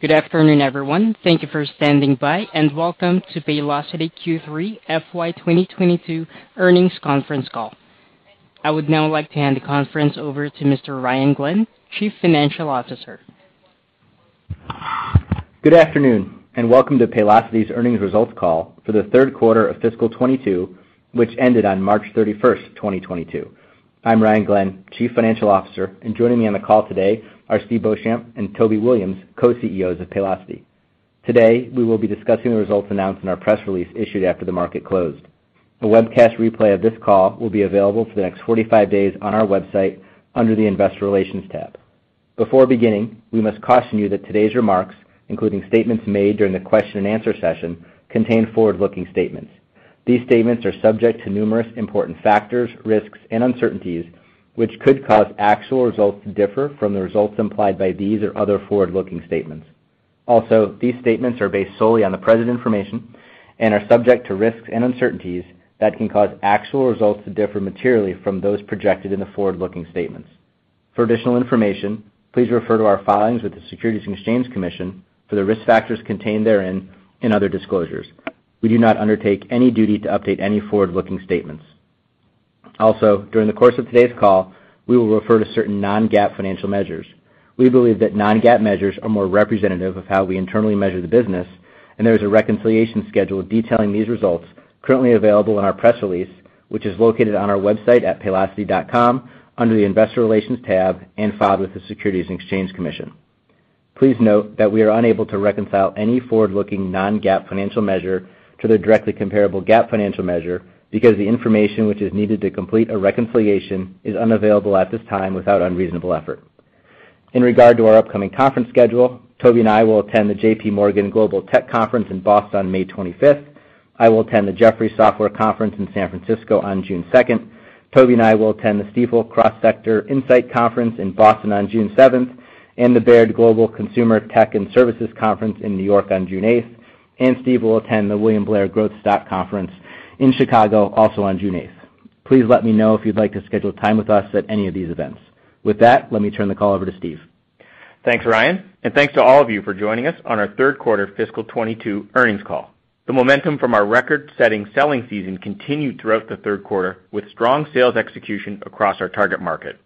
Good afternoon, everyone. Thank you for standing by, and welcome to Paylocity Q3 FY 2022 Earnings Conference Call. I would now like to hand the conference over to Mr. Ryan Glenn, Chief Financial Officer. Good afternoon, and welcome to Paylocity's earnings results call for the third quarter of fiscal 2022, which ended on March 31st, 2022. I'm Ryan Glenn, Chief Financial Officer, and joining me on the call today are Steve Beauchamp and Toby Williams, Co-CEOs of Paylocity. Today, we will be discussing the results announced in our press release issued after the market closed. A webcast replay of this call will be available for the next 45 days on our website under the Investor Relations tab. Before beginning, we must caution you that today's remarks, including statements made during the question and answer session, contain forward-looking statements. These statements are subject to numerous important factors, risks, and uncertainties, which could cause actual results to differ from the results implied by these or other forward-looking statements. These statements are based solely on the present information and are subject to risks and uncertainties that can cause actual results to differ materially from those projected in the forward-looking statements. For additional information, please refer to our filings with the Securities and Exchange Commission for the risk factors contained therein and other disclosures. We do not undertake any duty to update any forward-looking statements. During the course of today's call, we will refer to certain non-GAAP financial measures. We believe that non-GAAP measures are more representative of how we internally measure the business, and there is a reconciliation schedule detailing these results currently available in our press release, which is located on our website at paylocity.com under the Investor Relations tab and filed with the Securities and Exchange Commission. Please note that we are unable to reconcile any forward-looking non-GAAP financial measure to their directly comparable GAAP financial measure because the information which is needed to complete a reconciliation is unavailable at this time without unreasonable effort. In regard to our upcoming conference schedule, Toby and I will attend the JPMorgan Global Tech Conference in Boston on May 25th. I will attend the Jefferies Software Conference in San Francisco on June 2nd. Toby and I will attend the Stifel Cross Sector Insight Conference in Boston on June 7th, and the Baird Global Consumer, Tech & Services Conference in New York on June 8th, and Steve will attend the William Blair Growth Stock Conference in Chicago also on June 8th. Please let me know if you'd like to schedule time with us at any of these events. With that, let me turn the call over to Steve. Thanks, Ryan. Thanks to all of you for joining us on our third quarter fiscal 2022 earnings call. The momentum from our record-setting selling season continued throughout the third quarter with strong sales execution across our target market.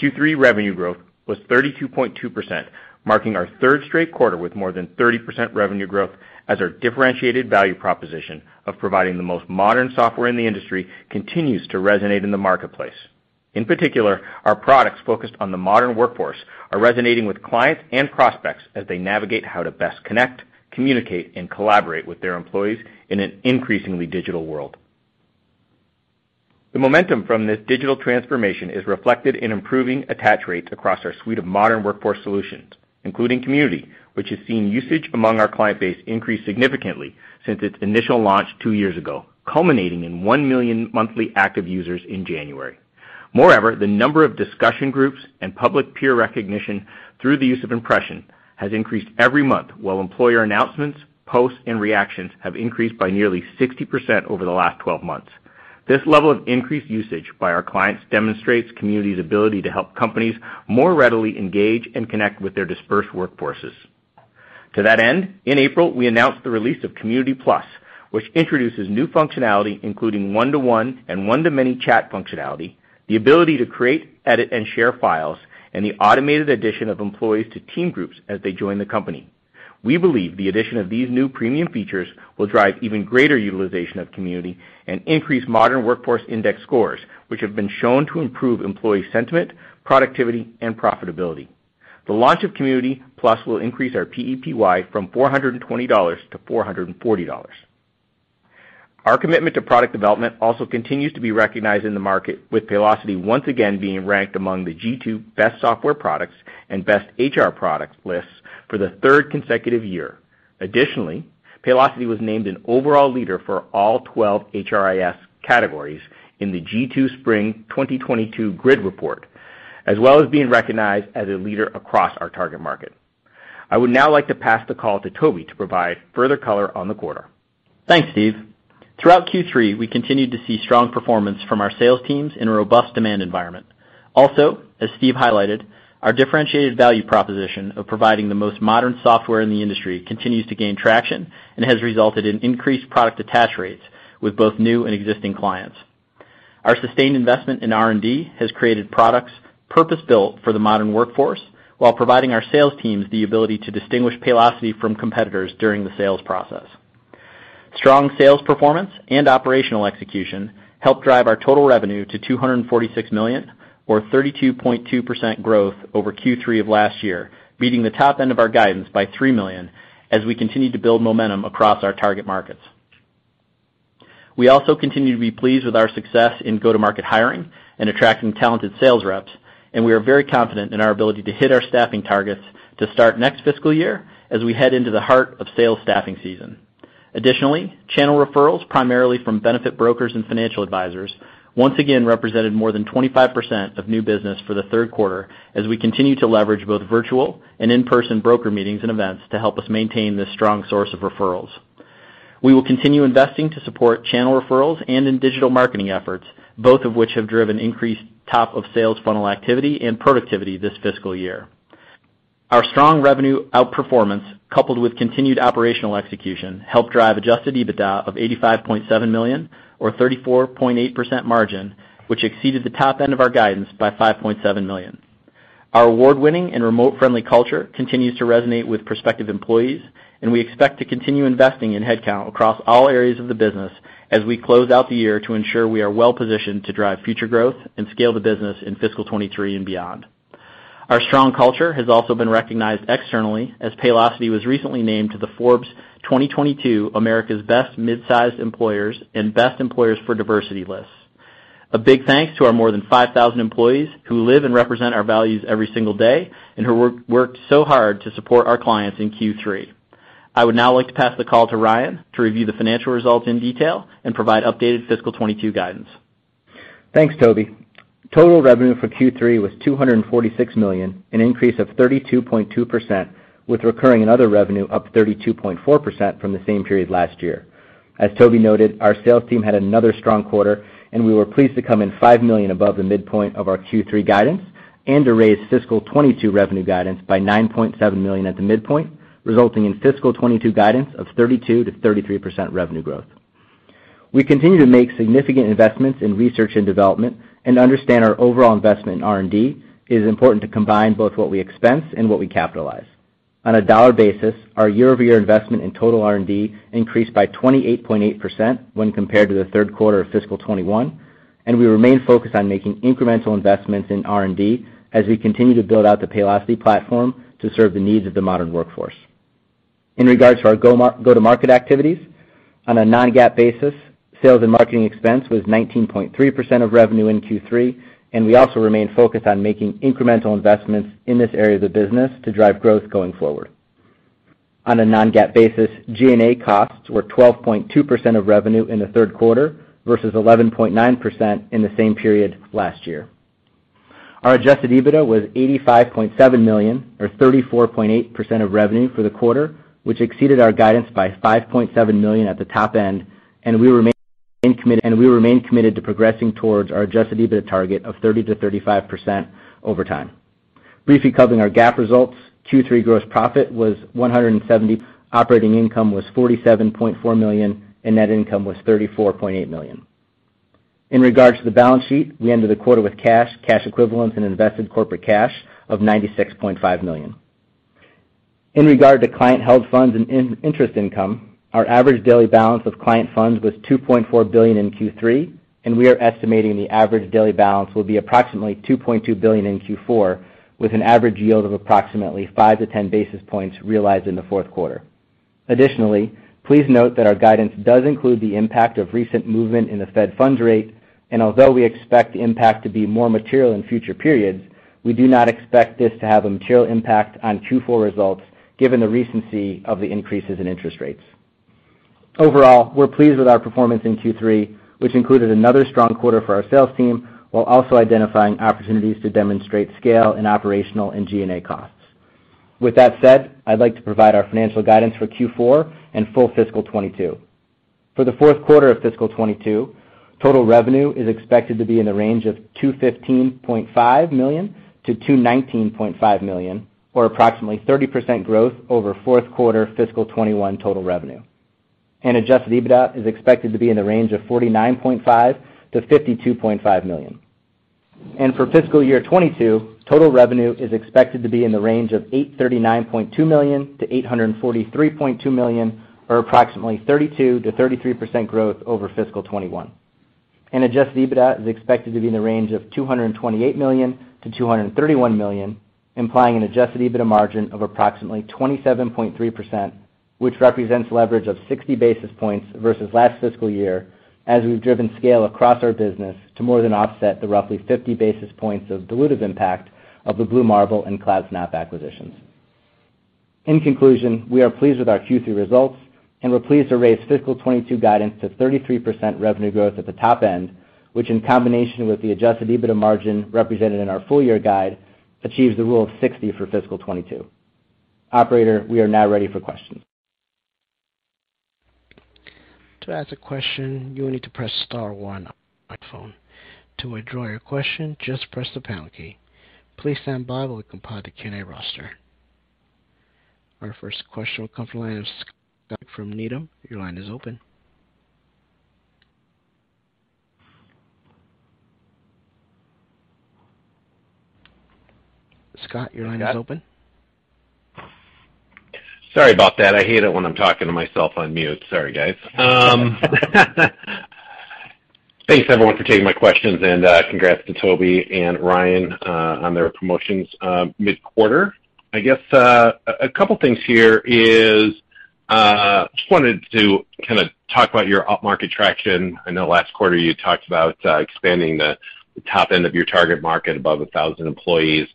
Q3 revenue growth was 32.2%, marking our third straight quarter with more than 30% revenue growth as our differentiated value proposition of providing the most modern software in the industry continues to resonate in the marketplace. In particular, our products focused on the modern workforce are resonating with clients and prospects as they navigate how to best connect, communicate, and collaborate with their employees in an increasingly digital world. The momentum from this digital transformation is reflected in improving attach rates across our suite of modern workforce solutions, including Community, which has seen usage among our client base increase significantly since its initial launch two years ago, culminating in 1 million monthly active users in January. Moreover, the number of discussion groups and public peer recognition through the use of Impressions has increased every month while employer announcements, posts, and reactions have increased by nearly 60% over the last 12 months. This level of increased usage by our clients demonstrates Community's ability to help companies more readily engage and connect with their dispersed workforces. To that end, in April, we announced the release of Community Plus, which introduces new functionality, including one-to-one and one-to-many chat functionality, the ability to create, edit, and share files, and the automated addition of employees to team groups as they join the company. We believe the addition of these new premium features will drive even greater utilization of Community and increase Modern Workforce Index scores, which have been shown to improve employee sentiment, productivity, and profitability. The launch of Community Plus will increase our PEPY from $420-$440. Our commitment to product development also continues to be recognized in the market, with Paylocity once again being ranked among the G2 best software products and best HR products lists for the third consecutive year. Additionally, Paylocity was named an overall leader for all 12 HRIS categories in the G2 Spring 2022 Grid Report, as well as being recognized as a leader across our target market. I would now like to pass the call to Toby to provide further color on the quarter. Thanks, Steve. Throughout Q3, we continued to see strong performance from our sales teams in a robust demand environment. Also, as Steve highlighted, our differentiated value proposition of providing the most modern software in the industry continues to gain traction and has resulted in increased product attach rates with both new and existing clients. Our sustained investment in R&D has created products purpose-built for the modern workforce while providing our sales teams the ability to distinguish Paylocity from competitors during the sales process. Strong sales performance and operational execution helped drive our total revenue to $246 million or 32.2% growth over Q3 of last year, beating the top end of our guidance by $3 million as we continued to build momentum across our target markets. We also continue to be pleased with our success in go-to-market hiring and attracting talented sales reps, and we are very confident in our ability to hit our staffing targets to start next fiscal year as we head into the heart of sales staffing season. Additionally, channel referrals, primarily from benefit brokers and financial advisors, once again represented more than 25% of new business for the third quarter as we continue to leverage both virtual and in-person broker meetings and events to help us maintain this strong source of referrals. We will continue investing to support channel referrals and in digital marketing efforts, both of which have driven increased top of sales funnel activity and productivity this fiscal year. Our strong revenue outperformance, coupled with continued operational execution, helped drive adjusted EBITDA of $85.7 million, or 34.8% margin, which exceeded the top end of our guidance by $5.7 million. Our award-winning and remote-friendly culture continues to resonate with prospective employees, and we expect to continue investing in headcount across all areas of the business as we close out the year to ensure we are well-positioned to drive future growth and scale the business in fiscal 2023 and beyond. Our strong culture has also been recognized externally as Paylocity was recently named to the Forbes 2022 America's Best Mid-Size Employers and Best Employers for Diversity lists. A big thanks to our more than 5,000 employees who live and represent our values every single day and who worked so hard to support our clients in Q3. I would now like to pass the call to Ryan to review the financial results in detail and provide updated fiscal 2022 guidance. Thanks, Toby. Total revenue for Q3 was $246 million, an increase of 32.2%, with recurring and other revenue up 32.4% from the same period last year. As Toby noted, our sales team had another strong quarter, and we were pleased to come in $5 million above the midpoint of our Q3 guidance and to raise fiscal 2022 revenue guidance by $9.7 million at the midpoint, resulting in fiscal 2022 guidance of 32%-33% revenue growth. We continue to make significant investments in research and development and understand our overall investment in R&D. It is important to combine both what we expense and what we capitalize. On a dollar basis, our year-over-year investment in total R&D increased by 28.8% when compared to the third quarter of fiscal 2021, and we remain focused on making incremental investments in R&D as we continue to build out the Paylocity platform to serve the needs of the modern workforce. In regards to our go-to-market activities, on a non-GAAP basis, sales and marketing expense was 19.3% of revenue in Q3, and we also remain focused on making incremental investments in this area of the business to drive growth going forward. On a non-GAAP basis, G&A costs were 12.2% of revenue in the third quarter versus 11.9% in the same period last year. Our adjusted EBITDA was $85.7 million, or 34.8% of revenue for the quarter, which exceeded our guidance by $5.7 million at the top end, and we remain committed to progressing towards our adjusted EBITDA target of 30%-35% over time. Briefly covering our GAAP results, Q3 gross profit was $170 million, operating income was $47.4 million, and net income was $34.8 million. In regard to the balance sheet, we ended the quarter with cash equivalents and invested corporate cash of $96.5 million. In regard to client-held funds and interest income, our average daily balance of client funds was $2.4 billion in Q3, and we are estimating the average daily balance will be approximately $2.2 billion in Q4, with an average yield of approximately 5 basis points-10 basis points realized in the fourth quarter. Additionally, please note that our guidance does include the impact of recent movement in the Fed funds rate, and although we expect the impact to be more material in future periods, we do not expect this to have a material impact on Q4 results given the recency of the increases in interest rates. Overall, we're pleased with our performance in Q3, which included another strong quarter for our sales team while also identifying opportunities to demonstrate scale in operational and G&A costs. With that said, I'd like to provide our financial guidance for Q4 and full fiscal 2022. For the fourth quarter of fiscal 2022, total revenue is expected to be in the range of $215.5 million-$219.5 million, or approximately 30% growth over fourth quarter fiscal 2021 total revenue. Adjusted EBITDA is expected to be in the range of $49.5 million-$52.5 million. For fiscal year 2022, total revenue is expected to be in the range of $839.2 million-$843.2 million, or approximately 32%-33% growth over fiscal 2021. Adjusted EBITDA is expected to be in the range of $228 million-$231 million, implying an adjusted EBITDA margin of approximately 27.3%, which represents leverage of 60 basis points versus last fiscal year as we've driven scale across our business to more than offset the roughly 50 basis points of dilutive impact of the Blue Marble and Cloudsnap acquisitions. In conclusion, we are pleased with our Q3 results, and we're pleased to raise fiscal 2022 guidance to 33% revenue growth at the top end, which in combination with the adjusted EBITDA margin represented in our full year guide, achieves the Rule of 60 for fiscal 2022. Operator, we are now ready for questions. To ask a question, you will need to press star one on your phone. To withdraw your question, just press the pound key. Please stand by while we compile the Q&A roster. Our first question will come from the line of Scott from Needham. Your line is open. Scott, your line is open. Sorry about that. I hate it when I'm talking to myself on mute. Sorry, guys. Thanks, everyone, for taking my questions, and congrats to Toby and Ryan on their promotions mid-quarter. I guess a couple things here is just wanted to kinda talk about your upmarket traction. I know last quarter you talked about expanding the top end of your target market above 1,000 employees.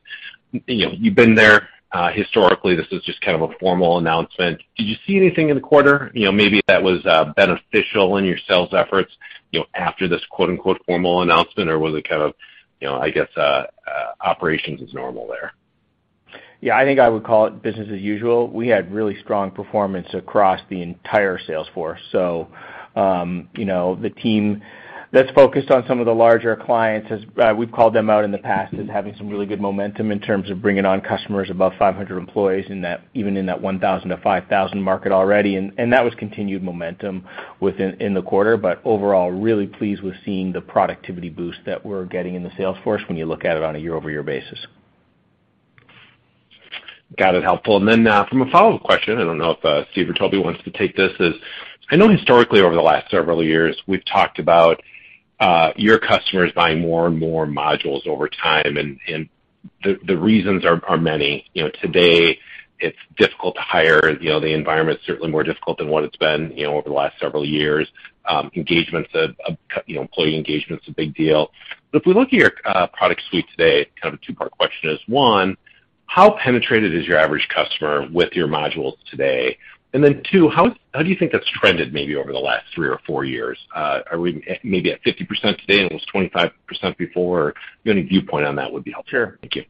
You know, you've been there historically. This is just kind of a formal announcement. Did you see anything in the quarter, you know, maybe that was beneficial in your sales efforts, you know, after this quote unquote formal announcement? Or was it kind of, you know, I guess operations as normal there? Yeah, I think I would call it business as usual. We had really strong performance across the entire sales force. You know, the team that's focused on some of the larger clients, as we've called them out in the past, as having some really good momentum in terms of bringing on customers above 500 employees in that 1,000, 5,000 market already. That was continued momentum within the quarter. Overall, really pleased with seeing the productivity boost that we're getting in the sales force when you look at it on a year-over-year basis. Got it. Helpful. Then, from a follow-up question, I don't know if Steve or Toby wants to take this. I know historically over the last several years, we've talked about your customers buying more and more modules over time, and the reasons are many. You know, today it's difficult to hire. You know, the environment's certainly more difficult than what it's been, you know, over the last several years. You know, employee engagement's a big deal. If we look at your product suite today, kind of a two-part question is, one, how penetrated is your average customer with your modules today? Then two, how do you think that's trended maybe over the last three or four years? Are we maybe at 50% today and it was 25% before? If you have any viewpoint on that would be helpful. Sure. Thank you.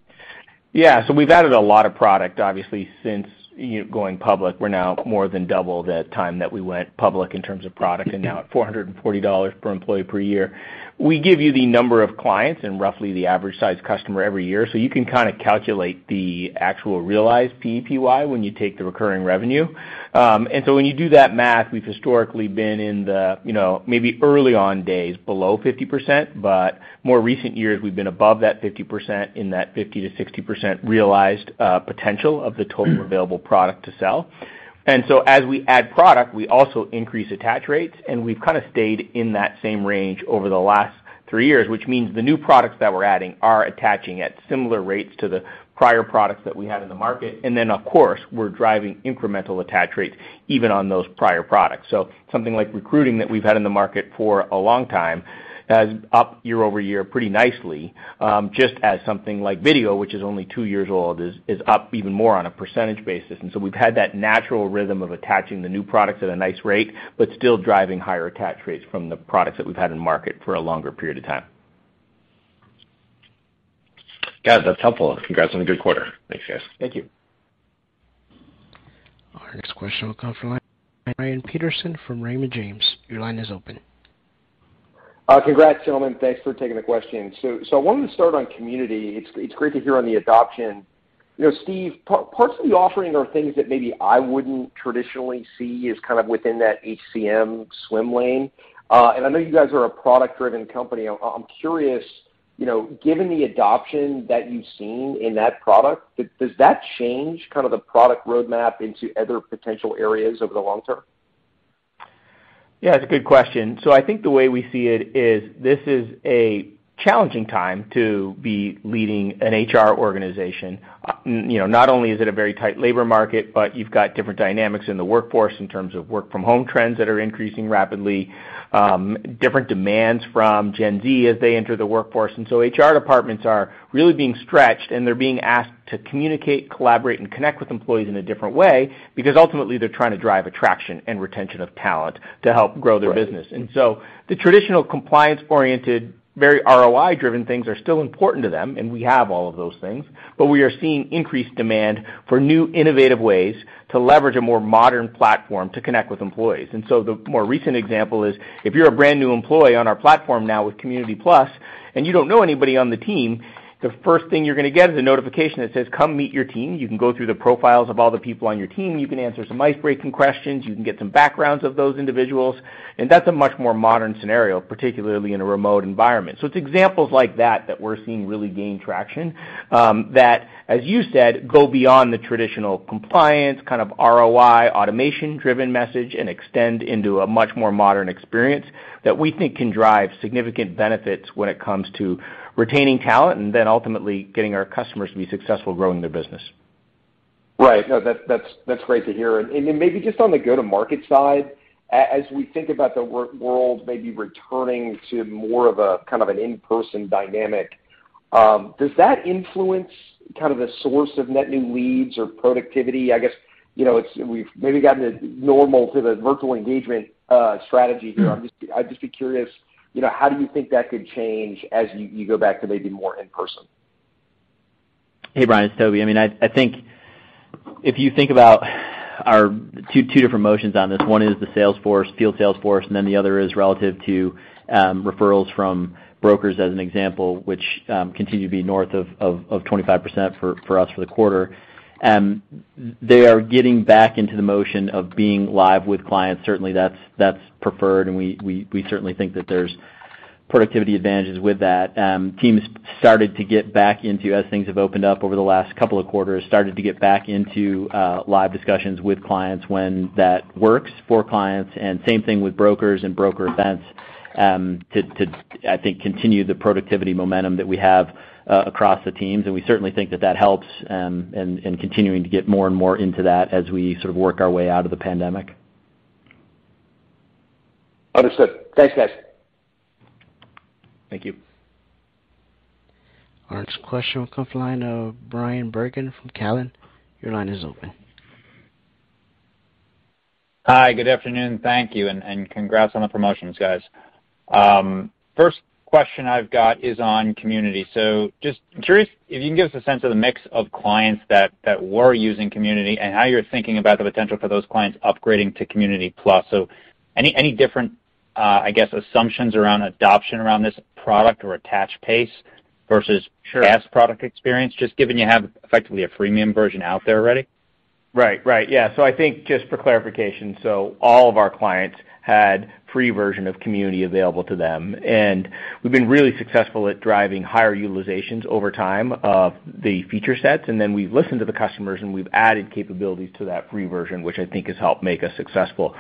Yeah. We've added a lot of product, obviously, since, you know, going public. We're now more than double the time that we went public in terms of product and now at $440 per employee per year. We give you the number of clients and roughly the average size customer every year. You can kind of calculate the actual realized PEPY when you take the recurring revenue. When you do that math, we've historically been in the, you know, maybe early on days below 50%, but more recent years we've been above that 50%, in that 50%-60% realized potential of the total available product to sell. As we add product, we also increase attach rates, and we've kind of stayed in that same range over the last three years, which means the new products that we're adding are attaching at similar rates to the prior products that we had in the market. Of course, we're driving incremental attach rates even on those prior products. Something like recruiting that we've had in the market for a long time is up year-over-year pretty nicely, just as something like video, which is only two years old, is up even more on a percentage basis. We've had that natural rhythm of attaching the new products at a nice rate, but still driving higher attach rates from the products that we've had in the market for a longer period of time. Got it. That's helpful. Congrats on a good quarter. Thanks, guys. Thank you. Our next question will come from Brian Peterson from Raymond James. Your line is open. Congrats, gentlemen. Thanks for taking the question. I wanted to start on Community. It's great to hear on the adoption. You know, Steve, parts of the offering are things that maybe I wouldn't traditionally see as kind of within that HCM swim lane. I know you guys are a product-driven company. I'm curious, you know, given the adoption that you've seen in that product, does that change kind of the product roadmap into other potential areas over the long term? Yeah, it's a good question. I think the way we see it is this is a challenging time to be leading an HR organization. You know, not only is it a very tight labor market, but you've got different dynamics in the workforce in terms of work from home trends that are increasing rapidly, different demands from Gen Z as they enter the workforce. HR departments are really being stretched, and they're being asked to communicate, collaborate, and connect with employees in a different way because ultimately they're trying to drive attraction and retention of talent to help grow their business. The traditional compliance-oriented, very ROI-driven things are still important to them, and we have all of those things, but we are seeing increased demand for new innovative ways to leverage a more modern platform to connect with employees. The more recent example is if you're a brand new employee on our platform now with Community Plus and you don't know anybody on the team, the first thing you're gonna get is a notification that says, "Come meet your team." You can go through the profiles of all the people on your team. You can answer some icebreaking questions. You can get some backgrounds of those individuals. That's a much more modern scenario, particularly in a remote environment. It's examples like that that we're seeing really gain traction that, as you said, go beyond the traditional compliance, kind of ROI, automation-driven message and extend into a much more modern experience that we think can drive significant benefits when it comes to retaining talent and then ultimately getting our customers to be successful growing their business. Right. No, that's great to hear. Then maybe just on the go-to-market side, as we think about the world maybe returning to more of a kind of an in-person dynamic, does that influence kind of the source of net new leads or productivity? I guess, you know, it's that we've maybe gotten normal to the virtual engagement strategy here. I'd just be curious, you know, how do you think that could change as you go back to maybe more in person? Hey, Brian, it's Toby. I mean, I think if you think about our two different motions on this, one is the sales force, field sales force, and then the other is relative to referrals from brokers as an example, which continue to be north of 25% for us for the quarter. They are getting back into the motion of being live with clients. Certainly that's preferred, and we certainly think that there's productivity advantages with that. Teams started to get back into live discussions with clients as things have opened up over the last couple of quarters, when that works for clients, and same thing with brokers and broker events, to continue the productivity momentum that we have across the teams. We certainly think that that helps in continuing to get more and more into that as we sort of work our way out of the pandemic. Understood. Thanks, guys. Thank you. Our next question will come from the line of Bryan Bergin from Cowen. Your line is open. Hi, good afternoon. Thank you, and congrats on the promotions, guys. First question I've got is on Community. Just curious if you can give us a sense of the mix of clients that were using Community and how you're thinking about the potential for those clients upgrading to Community Plus. Any different, I guess, assumptions around adoption around this product or attach pace versus- Sure. past product experience, just given you have effectively a freemium version out there already? Right. Yeah. I think just for clarification, so all of our clients had free version of Community available to them, and we've been really successful at driving higher utilizations over time of the feature sets, and then we've listened to the customers, and we've added capabilities to that free version, which I think has helped make us successful.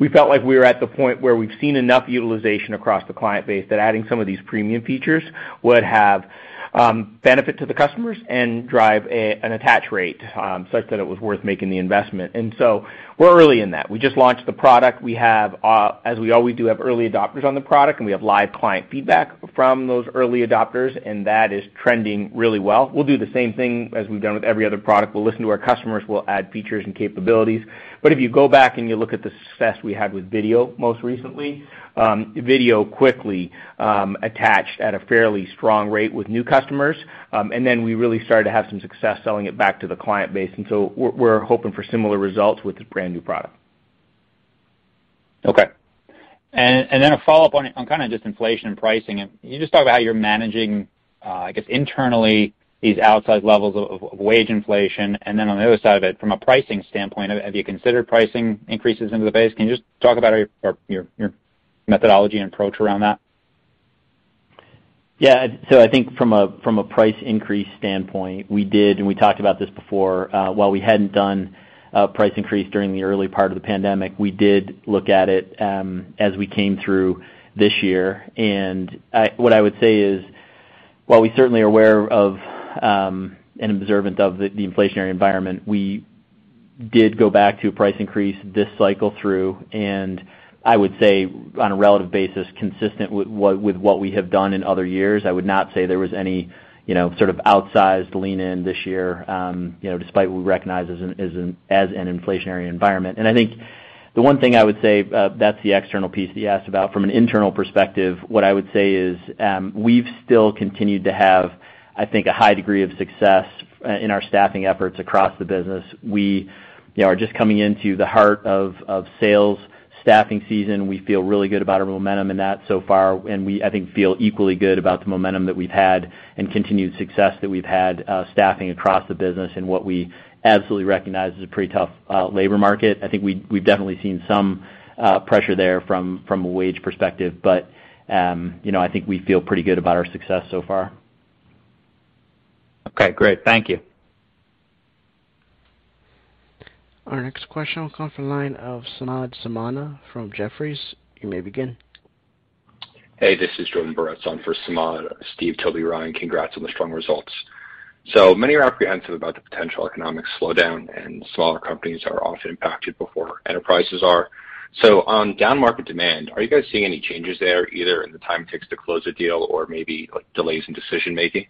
We felt like we were at the point where we've seen enough utilization across the client base that adding some of these premium features would have benefit to the customers and drive an attach rate such that it was worth making the investment. We're early in that. We just launched the product. We have, as we always do, early adopters on the product, and we have live client feedback from those early adopters, and that is trending really well. We'll do the same thing as we've done with every other product. We'll listen to our customers, we'll add features and capabilities. If you go back and you look at the success we had with video most recently, video quickly attached at a fairly strong rate with new customers, and then we really started to have some success selling it back to the client base. We're hoping for similar results with this brand-new product. Okay. A follow-up on kinda just inflation pricing. Can you just talk about how you're managing, I guess, internally these outsized levels of wage inflation? On the other side of it, from a pricing standpoint, have you considered pricing increases into the base? Can you just talk about your methodology and approach around that? Yeah. I think from a price increase standpoint, we did, and we talked about this before, while we hadn't done a price increase during the early part of the pandemic, we did look at it as we came through this year. What I would say is, while we certainly are aware of and observant of the inflationary environment, we did go back to a price increase this cycle through, and I would say on a relative basis, consistent with what we have done in other years. I would not say there was any, you know, sort of outsized lean in this year, you know, despite what we recognize as an inflationary environment. I think the one thing I would say, that's the external piece that you asked about. From an internal perspective, what I would say is, we've still continued to have, I think, a high degree of success in our staffing efforts across the business. We, you know, are just coming into the heart of sales staffing season. We feel really good about our momentum in that so far, and we, I think, feel equally good about the momentum that we've had and continued success that we've had, staffing across the business in what we absolutely recognize is a pretty tough labor market. I think we've definitely seen some pressure there from a wage perspective, but, you know, I think we feel pretty good about our success so far. Okay, great. Thank you. Our next question will come from the line of Samad Samana from Jefferies. You may begin. Hey, this is Jordan Boretz on for Samana. Steve, Toby, Ryan, congrats on the strong results. Many are apprehensive about the potential economic slowdown, and smaller companies are often impacted before enterprises are. On down market demand, are you guys seeing any changes there, either in the time it takes to close a deal or maybe, like, delays in decision-making?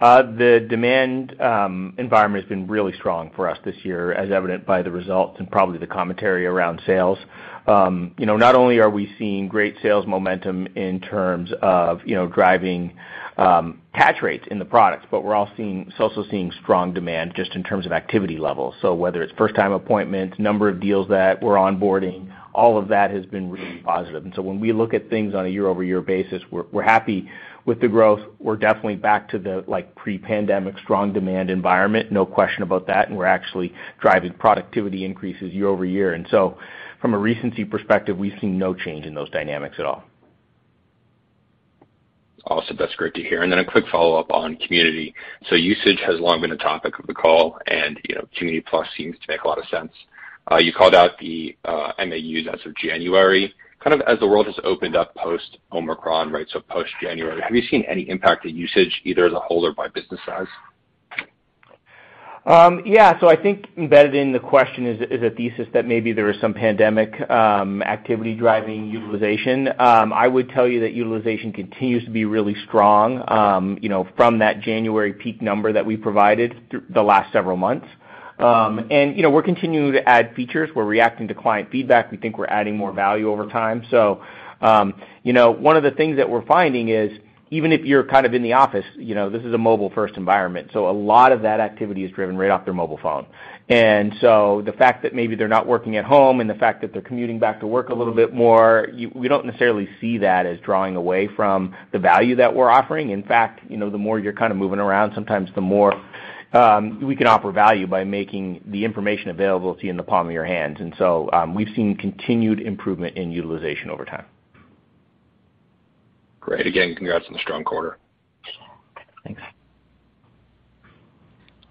The demand environment has been really strong for us this year, as evident by the results and probably the commentary around sales. You know, not only are we seeing great sales momentum in terms of, you know, driving attach rates in the products, but we're also seeing strong demand just in terms of activity levels. Whether it's first-time appointments, number of deals that we're onboarding, all of that has been really positive. When we look at things on a year-over-year basis, we're happy with the growth. We're definitely back to the, like, pre-pandemic strong demand environment. No question about that. We're actually driving productivity increases year-over-year. From a recency perspective, we've seen no change in those dynamics at all. Awesome. That's great to hear. A quick follow-up on Community. Usage has long been a topic of the call, and, you know, Community Plus seems to make a lot of sense. You called out the MAUs as of January. Kind of as the world has opened up post-Omicron, right, so post-January, have you seen any impact in usage, either as a whole or by business size? Yeah. I think embedded in the question is a thesis that maybe there is some pandemic activity driving utilization. I would tell you that utilization continues to be really strong, you know, from that January peak number that we provided through the last several months. You know, we're continuing to add features. We're reacting to client feedback. We think we're adding more value over time. You know, one of the things that we're finding is even if you're kind of in the office, you know, this is a mobile-first environment, so a lot of that activity is driven right off their mobile phone. The fact that maybe they're not working at home and the fact that they're commuting back to work a little bit more, we don't necessarily see that as drawing away from the value that we're offering. In fact, you know, the more you're kind of moving around, sometimes the more we can offer value by making the information available to you in the palm of your hands. We've seen continued improvement in utilization over time. Great. Again, congrats on the strong quarter. Thanks.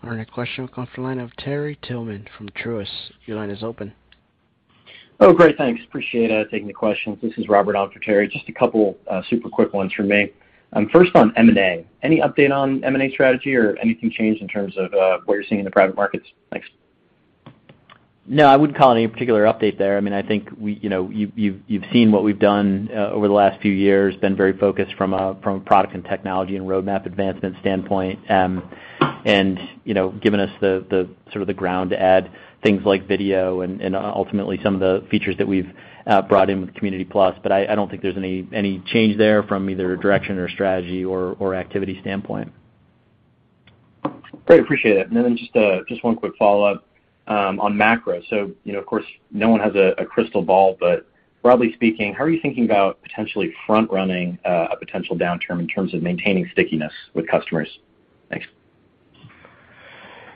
Our next question will come from the line of Terry Tillman from Truist. Your line is open. Oh, great, thanks. Appreciate it. Taking the questions. This is Robert on for Terry. Just a couple super quick ones from me. First on M&A. Any update on M&A strategy or anything changed in terms of what you're seeing in the private markets? Thanks. No, I wouldn't call any particular update there. I mean, I think you know, you've seen what we've done over the last few years, been very focused from a product and technology and roadmap advancement standpoint. You know, given us the sort of the ground to add things like video and ultimately some of the features that we've brought in with Community Plus. I don't think there's any change there from either direction or strategy or activity standpoint. Great. Appreciate it. Just one quick follow-up on macro. You know, of course, no one has a crystal ball, but broadly speaking, how are you thinking about potentially front-running a potential downturn in terms of maintaining stickiness with customers? Thanks.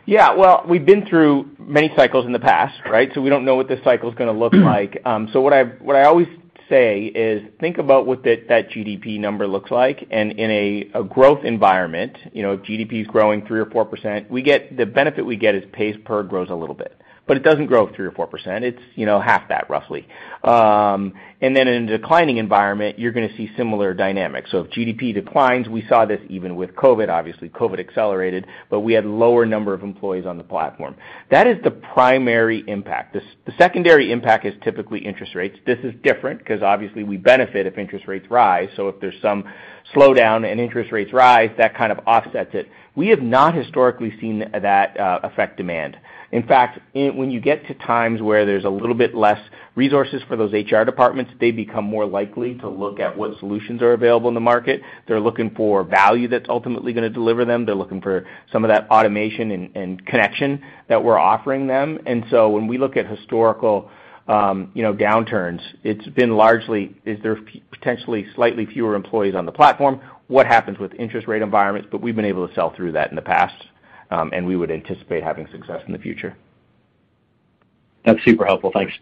Yeah. Well, we've been through many cycles in the past, right? We don't know what this cycle is gonna look like. What I always say is think about what that GDP number looks like, and in a growth environment, you know, if GDP is growing 3%-4%, we get the benefit we get is pay per grows a little bit. It doesn't grow 3%-4%. It's, you know, half that roughly. In a declining environment, you're gonna see similar dynamics. If GDP declines, we saw this even with COVID, obviously COVID accelerated, but we had lower number of employees on the platform. That is the primary impact. The secondary impact is typically interest rates. This is different because obviously we benefit if interest rates rise. If there's some slowdown and interest rates rise, that kind of offsets it. We have not historically seen that affect demand. In fact, when you get to times where there's a little bit less resources for those HR departments, they become more likely to look at what solutions are available in the market. They're looking for value that's ultimately gonna deliver them. They're looking for some of that automation and connection that we're offering them. When we look at historical downturns, it's been largely is there potentially slightly fewer employees on the platform, what happens with interest rate environments, but we've been able to sell through that in the past, and we would anticipate having success in the future. That's super helpful. Thanks.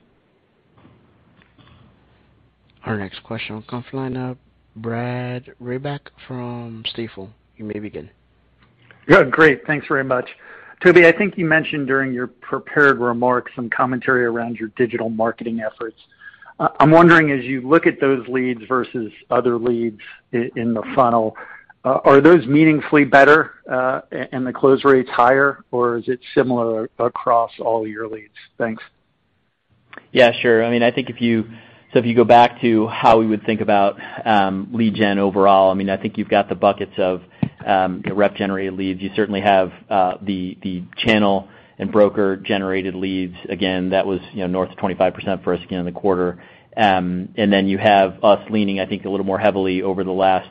Our next question comes from the line of Brad Reback from Stifel. You may begin. Yeah, great. Thanks very much. Toby, I think you mentioned during your prepared remarks some commentary around your digital marketing efforts. I'm wondering, as you look at those leads versus other leads in the funnel, are those meaningfully better, and the close rates higher, or is it similar across all your leads? Thanks. Yeah, sure. I mean, I think so if you go back to how we would think about lead gen overall, I mean, I think you've got the buckets of rep-generated leads. You certainly have the channel and broker-generated leads. Again, that was, you know, north of 25% for us again in the quarter. Then you have us leaning, I think, a little more heavily over the last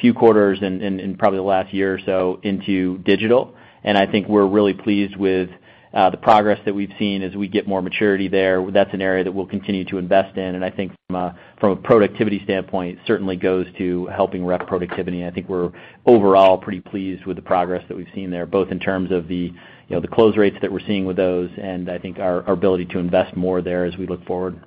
few quarters and probably the last year or so into digital. I think we're really pleased with the progress that we've seen as we get more maturity there. That's an area that we'll continue to invest in. I think from a productivity standpoint, it certainly goes to helping rep productivity. I think we're overall pretty pleased with the progress that we've seen there, both in terms of the, you know, the close rates that we're seeing with those, and I think our ability to invest more there as we look forward.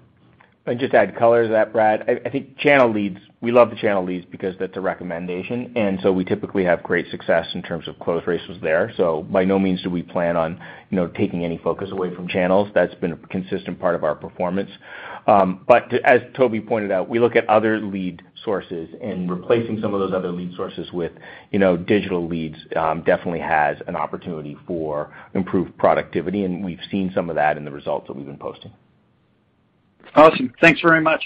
Just to add color to that, Brad, I think channel leads, we love the channel leads because that's a recommendation, and so we typically have great success in terms of close ratios there. By no means do we plan on, you know, taking any focus away from channels. That's been a consistent part of our performance. As Toby pointed out, we look at other lead sources, and replacing some of those other lead sources with, you know, digital leads, definitely has an opportunity for improved productivity, and we've seen some of that in the results that we've been posting. Awesome. Thanks very much.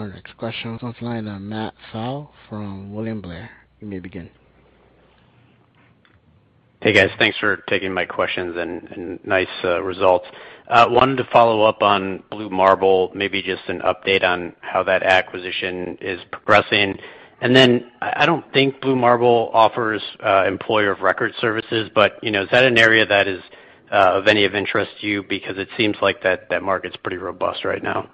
Our next question comes from the line of Matt Pfau from William Blair. You may begin. Hey, guys. Thanks for taking my questions and nice results. Wanted to follow up on Blue Marble, maybe just an update on how that acquisition is progressing. I don't think Blue Marble offers employer of record services, but you know, is that an area that is of any interest to you? Because it seems like that market's pretty robust right now.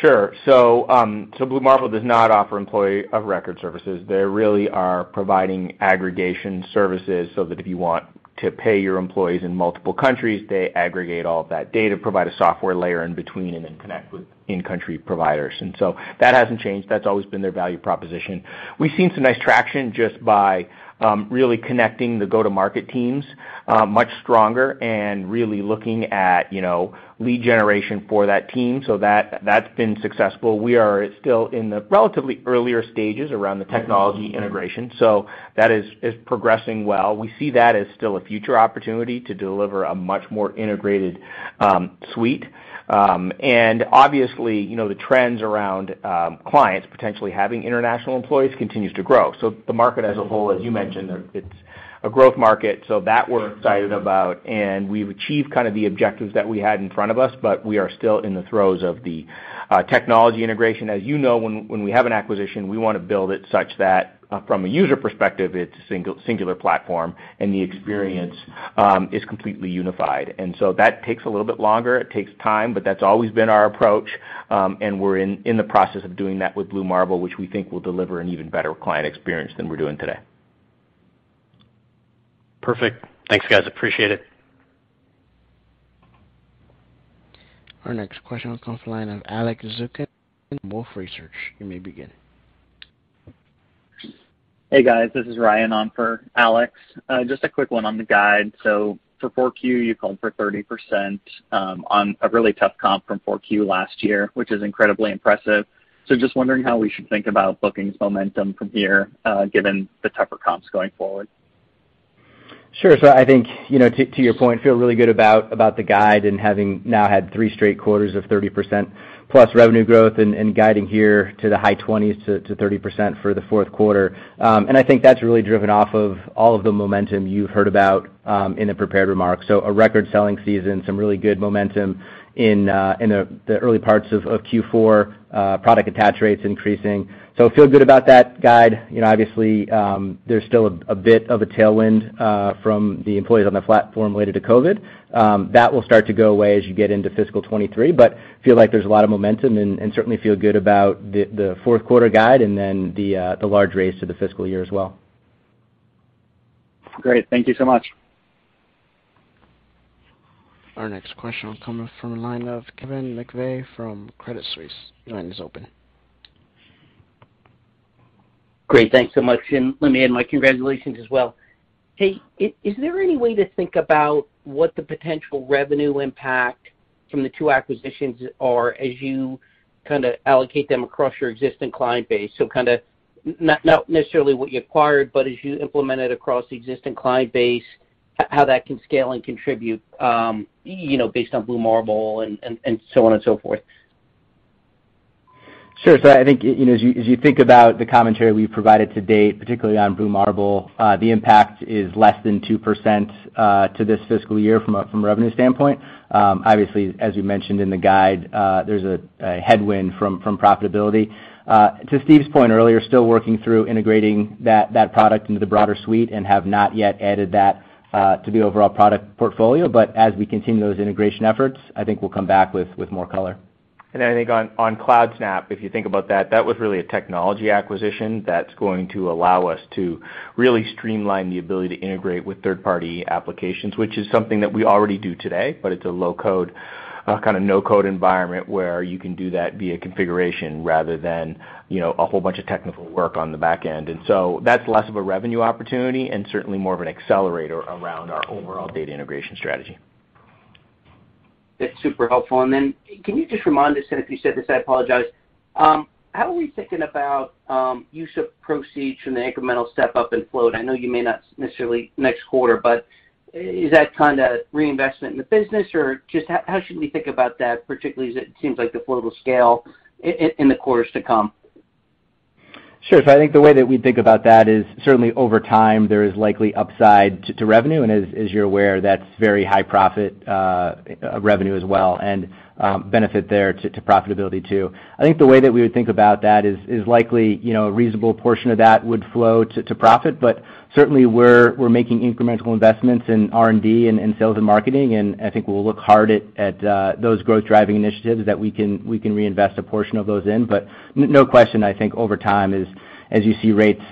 Sure. Blue Marble does not offer employee of record services. They really are providing aggregation services so that if you want to pay your employees in multiple countries, they aggregate all of that data, provide a software layer in between, and then connect with in-country providers. That hasn't changed. That's always been their value proposition. We've seen some nice traction just by really connecting the go-to-market teams much stronger and really looking at, you know, lead generation for that team. That's been successful. We are still in the relatively earlier stages around the technology integration, so that is progressing well. We see that as still a future opportunity to deliver a much more integrated suite. Obviously, you know, the trends around clients potentially having international employees continues to grow. The market as a whole, as you mentioned, it's a growth market, so that we're excited about. We've achieved kind of the objectives that we had in front of us, but we are still in the throes of the technology integration. As you know, when we have an acquisition, we wanna build it such that from a user perspective, it's singular platform and the experience is completely unified. That takes a little bit longer. It takes time, but that's always been our approach, and we're in the process of doing that with Blue Marble, which we think will deliver an even better client experience than we're doing today. Perfect. Thanks, guys. Appreciate it. Our next question comes from the line of Alex Zukin, Wolfe Research. You may begin. Hey, guys, this is Ryan on for Alex. Just a quick one on the guide. For 4Q, you called for 30%, on a really tough comp from 4Q last year, which is incredibly impressive. Just wondering how we should think about bookings momentum from here, given the tougher comps going forward. Sure. I think, you know, to your point, feel really good about the guide and having now had 3 straight quarters of 30%+ revenue growth and guiding here to the high 20%s-30% for the fourth quarter. I think that's really driven off of all of the momentum you've heard about in the prepared remarks. A record selling season, some really good momentum in the early parts of Q4, product attach rates increasing. Feel good about that guide. You know, obviously, there's still a bit of a tailwind from the employees on the platform related to COVID. That will start to go away as you get into fiscal 2023, but feel like there's a lot of momentum and certainly feel good about the fourth quarter guide and then the large raise to the fiscal year as well. Great. Thank you so much. Our next question will come from the line of Kevin McVeigh from Credit Suisse. Your line is open. Great. Thanks so much, and let me add my congratulations as well. Hey, is there any way to think about what the potential revenue impact from the two acquisitions are as you kinda allocate them across your existing client base? Not necessarily what you acquired, but as you implement it across the existing client base, how that can scale and contribute, you know, based on Blue Marble and so on and so forth. I think, you know, as you think about the commentary we've provided to date, particularly on Blue Marble, the impact is less than 2% to this fiscal year from a revenue standpoint. Obviously, as we mentioned in the guide, there's a headwind from profitability. To Steve's point earlier, still working through integrating that product into the broader suite and have not yet added that to the overall product portfolio. As we continue those integration efforts, I think we'll come back with more color. I think on Cloudsnap, if you think about that was really a technology acquisition that's going to allow us to really streamline the ability to integrate with third-party applications, which is something that we already do today, but it's a low code, kinda no code environment where you can do that via configuration rather than, you know, a whole bunch of technical work on the back end. That's less of a revenue opportunity and certainly more of an accelerator around our overall data integration strategy. That's super helpful. Can you just remind us, and if you said this, I apologize, how are we thinking about use of proceeds from the incremental step up in float? I know you may not necessarily next quarter, but is that kinda reinvestment in the business, or just how should we think about that, particularly as it seems like the float will scale in the quarters to come? Sure. I think the way that we think about that is certainly over time, there is likely upside to revenue, and as you're aware, that's very high profit revenue as well and benefit there to profitability too. I think the way that we would think about that is likely, you know, a reasonable portion of that would flow to profit, but certainly we're making incremental investments in R&D and sales and marketing, and I think we'll look hard at those growth-driving initiatives that we can reinvest a portion of those in. No question, I think over time, as you see rates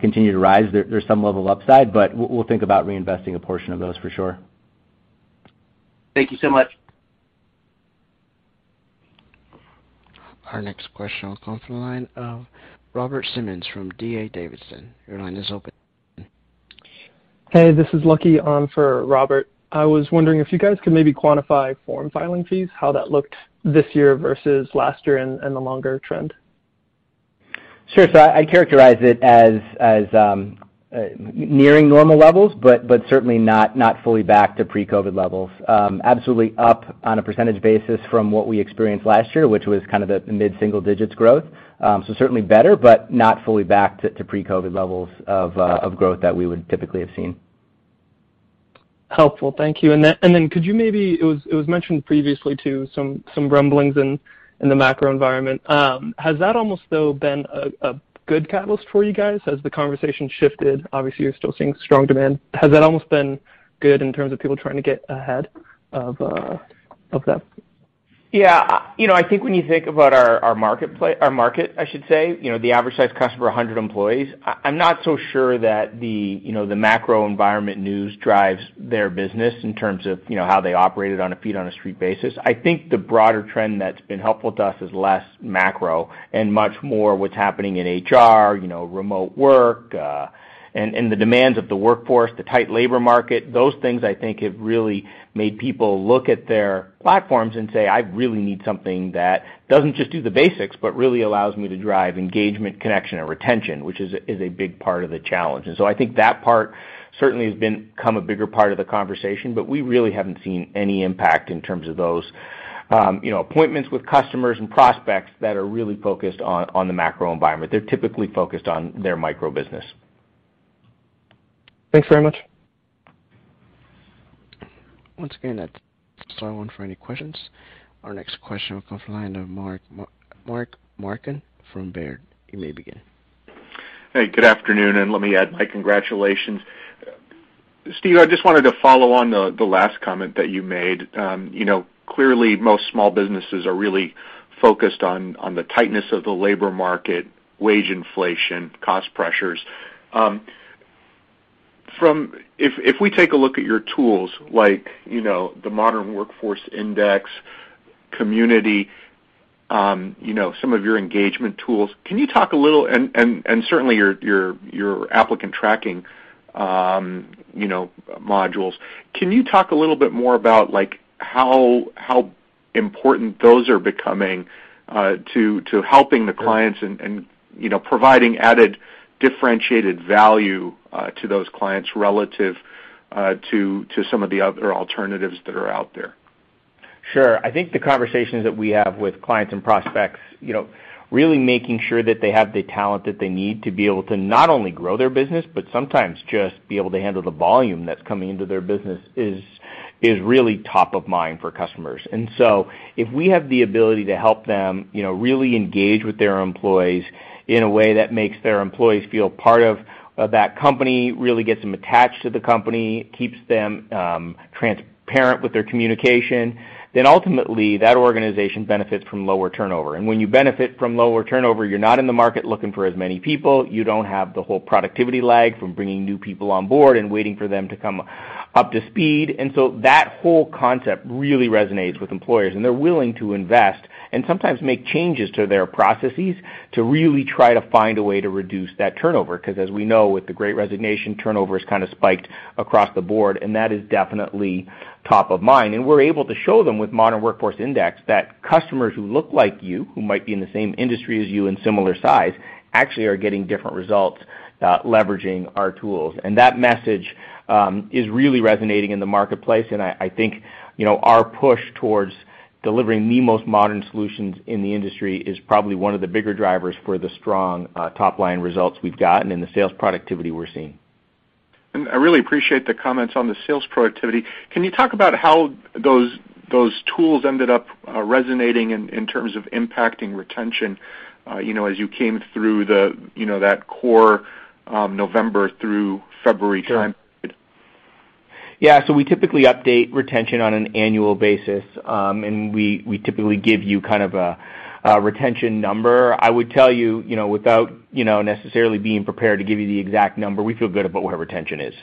continue to rise, there's some level of upside, but we'll think about reinvesting a portion of those for sure. Thank you so much. Our next question will come from the line of Robert Simmons from D.A. Davidson. Your line is open. Hey, this is Lucky on for Robert. I was wondering if you guys could maybe quantify form filing fees, how that looked this year versus last year and the longer trend. Sure. I characterize it as nearing normal levels, but certainly not fully back to pre-COVID levels. Absolutely up on a percentage basis from what we experienced last year, which was kind of the mid-single digits growth. Certainly better, but not fully back to pre-COVID levels of growth that we would typically have seen. Helpful. Thank you. It was mentioned previously too, some rumblings in the macro environment. Has that almost though been a good catalyst for you guys? Has the conversation shifted? Obviously, you're still seeing strong demand. Has that almost been good in terms of people trying to get ahead of that? Yeah. You know, I think when you think about our marketplace, our market, I should say, you know, the average size customer, 100 employees, I'm not so sure that the, you know, the macro environment news drives their business in terms of, you know, how they operate it on a feet on the street basis. I think the broader trend that's been helpful to us is less macro and much more what's happening in HR, you know, remote work, and the demands of the workforce, the tight labor market. Those things I think have really made people look at their platforms and say, "I really need something that doesn't just do the basics but really allows me to drive engagement, connection and retention," which is a big part of the challenge. I think that part certainly has become a bigger part of the conversation, but we really haven't seen any impact in terms of those, you know, appointments with customers and prospects that are really focused on the macro environment. They're typically focused on their micro business. Thanks very much. Once again, that's all I want for any questions. Our next question will come from the line of Mark Marcon from Baird. You may begin. Hey, good afternoon, and let me add my congratulations. Steve, I just wanted to follow on the last comment that you made. You know, clearly, most small businesses are really focused on the tightness of the labor market, wage inflation, cost pressures. If we take a look at your tools, like, you know, the Modern Workforce Index, Community, you know, some of your engagement tools, can you talk a little and certainly your applicant tracking modules. Can you talk a little bit more about like how important those are becoming to helping the clients and, you know, providing added differentiated value to those clients relative to some of the other alternatives that are out there. Sure. I think the conversations that we have with clients and prospects, you know, really making sure that they have the talent that they need to be able to not only grow their business, but sometimes just be able to handle the volume that's coming into their business is really top of mind for customers. If we have the ability to help them, you know, really engage with their employees in a way that makes their employees feel part of that company, really gets them attached to the company, keeps them transparent with their communication, then ultimately, that organization benefits from lower turnover. When you benefit from lower turnover, you're not in the market looking for as many people, you don't have the whole productivity lag from bringing new people on board and waiting for them to come up to speed. That whole concept really resonates with employers, and they're willing to invest and sometimes make changes to their processes to really try to find a way to reduce that turnover, 'cause as we know, with the Great Resignation, turnover has kind of spiked across the board, and that is definitely top of mind. We're able to show them with Modern Workforce Index that customers who look like you, who might be in the same industry as you and similar size, actually are getting different results, leveraging our tools. That message is really resonating in the marketplace, and I think, you know, our push towards delivering the most modern solutions in the industry is probably one of the bigger drivers for the strong, top line results we've gotten and the sales productivity we're seeing. I really appreciate the comments on the sales productivity. Can you talk about how those tools ended up resonating in terms of impacting retention, you know, as you came through the, you know, that core November through February time period? Yeah. We typically update retention on an annual basis, and we typically give you kind of a retention number. I would tell you know, without, you know, necessarily being prepared to give you the exact number, we feel good about where retention is.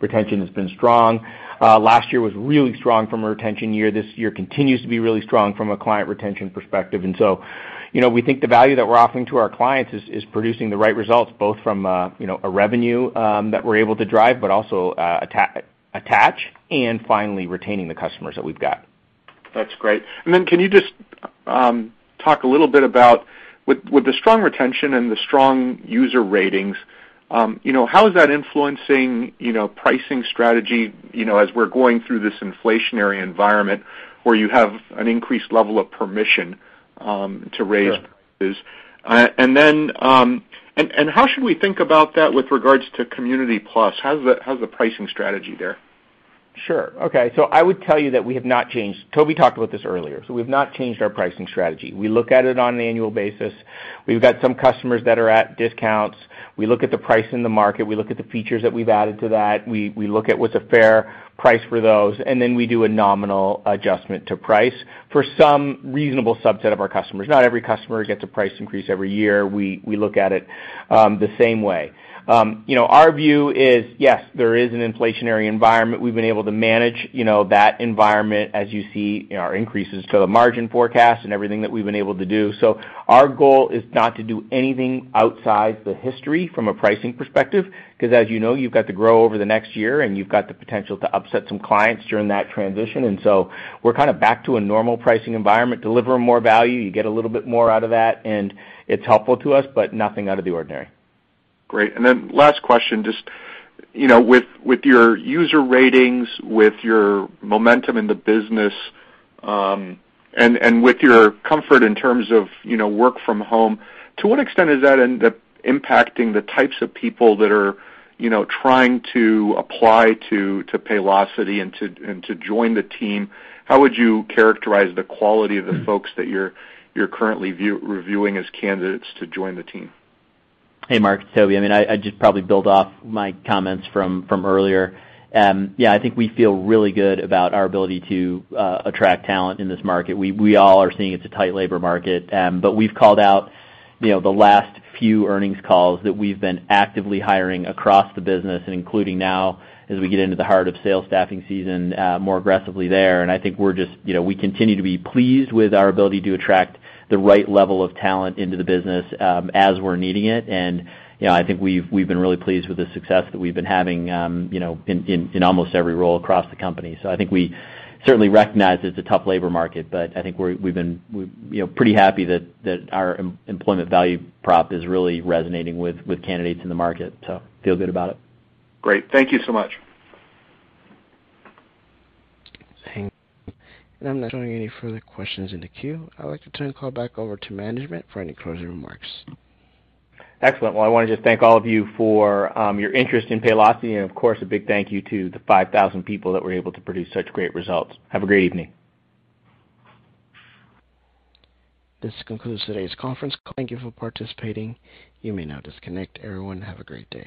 Retention has been strong. Last year was really strong from a retention year. This year continues to be really strong from a client retention perspective. We think the value that we're offering to our clients is producing the right results, both from a revenue that we're able to drive, but also attach, and finally retaining the customers that we've got. That's great. Can you just talk a little bit about with the strong retention and the strong user ratings, you know, how is that influencing, you know, pricing strategy, you know, as we're going through this inflationary environment where you have an increased level of permission to raise prices? How should we think about that with regards to Community Plus, how's the pricing strategy there? Sure. Okay. I would tell you that we have not changed. Toby talked about this earlier. We have not changed our pricing strategy. We look at it on an annual basis. We've got some customers that are at discounts. We look at the price in the market. We look at the features that we've added to that. We look at what's a fair price for those, and then we do a nominal adjustment to price for some reasonable subset of our customers. Not every customer gets a price increase every year. We look at it the same way. You know, our view is, yes, there is an inflationary environment. We've been able to manage, you know, that environment as you see in our increases to the margin forecast and everything that we've been able to do. Our goal is not to do anything outside the history from a pricing perspective, 'cause as you know, you've got to grow over the next year, and you've got the potential to upset some clients during that transition. We're kind of back to a normal pricing environment, delivering more value. You get a little bit more out of that, and it's helpful to us, but nothing out of the ordinary. Great. Last question, just, you know, with your user ratings, with your momentum in the business, and with your comfort in terms of, you know, work from home, to what extent is that end up impacting the types of people that are, you know, trying to apply to Paylocity and to join the team? How would you characterize the quality of the folks that you're currently reviewing as candidates to join the team? Hey, Mark, it's Toby. I mean, I'd just probably build off my comments from earlier. Yeah, I think we feel really good about our ability to attract talent in this market. We all are seeing it's a tight labor market. But we've called out, you know, the last few earnings calls that we've been actively hiring across the business and including now as we get into the heart of sales staffing season, more aggressively there. I think we're just, you know, we continue to be pleased with our ability to attract the right level of talent into the business, as we're needing it. You know, I think we've been really pleased with the success that we've been having, you know, in almost every role across the company. I think we certainly recognize it's a tough labor market, but I think we've been, you know, pretty happy that our employment value prop is really resonating with candidates in the market. Feel good about it. Great. Thank you so much. Thank you. I'm not showing any further questions in the queue. I'd like to turn the call back over to management for any closing remarks. Excellent. Well, I want to just thank all of you for your interest in Paylocity, and of course, a big thank you to the 5,000 people that were able to produce such great results. Have a great evening. This concludes today's conference call. Thank you for participating. You may now disconnect. Everyone, have a great day.